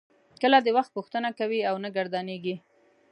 کله د وخت پوښتنه کوي او نه ګردانیږي.